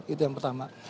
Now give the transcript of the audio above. itu yang pertama